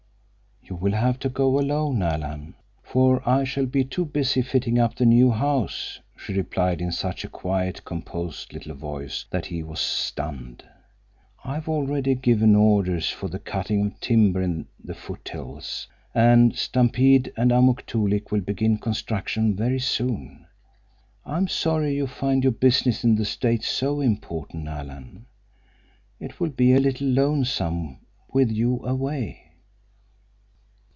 "You will have to go alone, Alan, for I shall be too busy fitting up the new house," she replied, in such a quiet, composed, little voice that he was stunned. "I have already given orders for the cutting of timber in the foothills, and Stampede and Amuk Toolik will begin construction very soon. I am sorry you find your business in the States so important, Alan. It will be a little lonesome with you away."